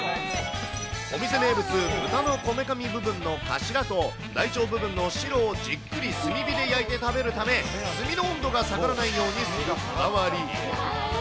お店名物、豚のこめかみ部分のカシラと大腸部分のシロをじっくり炭火で焼いて食べるため、炭の温度が下がらないようにするこだわり。